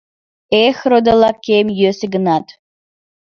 Эх, родылакем, йӧсӧ гынат